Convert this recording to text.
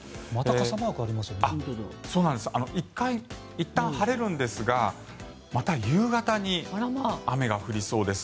いったん晴れるんですがまた夕方に雨が降りそうです。